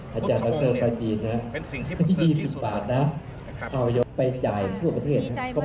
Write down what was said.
ก็ความเป็นระบวนของงานใหญ่มากได้มากรับผู้บุญศาสตร์